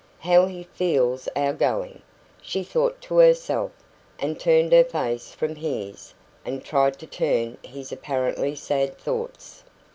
"How he feels our going!" she thought to herself, and turned her face from his, and tried to turn his apparently sad thoughts.